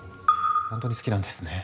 ほんとに好きなんですね。